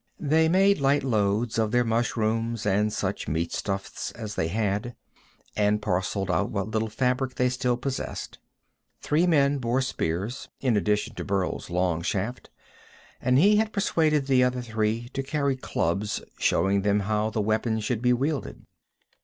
They made light loads of their mushrooms and such meat stuffs as they had, and parceled out what little fabric they still possessed. Three men bore spears, in addition to Burl's long shaft, and he had persuaded the other three to carry clubs, showing them how the weapon should be wielded.